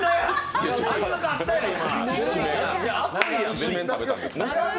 きしめん食べたんですね？